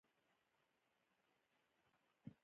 کله کله خو يې د افغان وطن د تاريخي هويت.